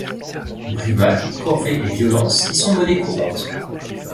Brimades, corvées et violences y sont monnaie courante.